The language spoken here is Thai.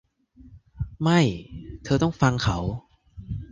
ไม่ เธอต้องฟังเขา